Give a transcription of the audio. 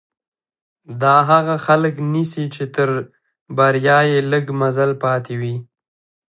دا هغه خلک نيسي چې تر بريا يې لږ مزل پاتې وي.